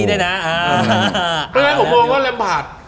ไปยาวเลย